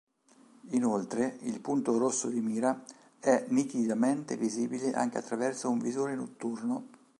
Inoltre il punto rosso di mira è nitidamente visibile anche attraverso un visore notturno.